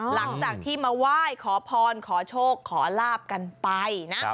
หลังจากที่มาไหว้ขอพรขอโชคขอลาบกันไปนะ